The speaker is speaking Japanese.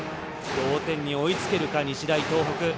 同点に追いつけるか日大東北。